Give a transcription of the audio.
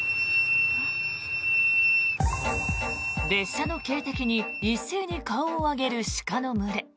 列車の警笛に一斉に顔を上げる鹿の群れ。